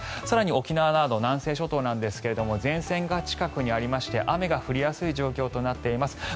更に沖縄など南西諸島ですが前線が近くにありまして雨が降りやすい状況になっています。